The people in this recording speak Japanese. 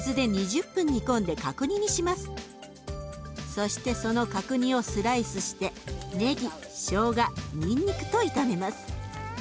そしてその角煮をスライスしてねぎしょうがにんにくと炒めます。